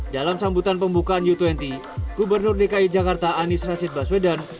dalam sambutan pembukaan u dua puluh gubernur dki jakarta anies rashid baswedan